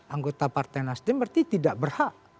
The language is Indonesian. anggota partai nasdem berarti tidak berhak